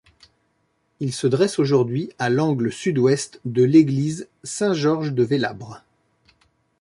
Il se dresse aujourd'hui à l'angle sud-ouest de l'église Saint-Georges-de-Vélabre.